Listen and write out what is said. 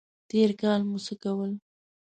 تېر کال مو څه کول؟